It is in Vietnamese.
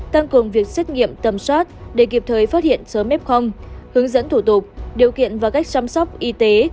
tăng cường việc xét nghiệm tầm soát để kịp thời phát hiện sớm f hướng dẫn thủ tục điều kiện và cách chăm sóc y tế